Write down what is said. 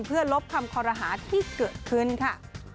เพื่อลบคำคอรหาที่เกิดขึ้นค่ะ